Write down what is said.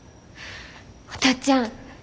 お父ちゃん。